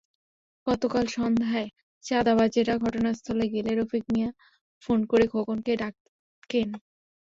গতকাল সন্ধ্যায় চাঁদাবাজেরা ঘটনাস্থলে গেলে রফিক মিয়া ফোন করে খোকনকে ডাকেন।